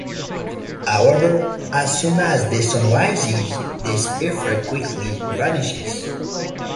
However, as soon as the sun rises, this effect quickly vanishes.